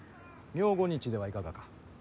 明後日ではいかがか。